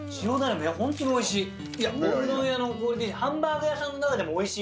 本当においしい。